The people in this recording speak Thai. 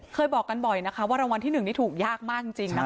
บอกกันบ่อยนะคะว่ารางวัลที่๑นี่ถูกยากมากจริงนะคะ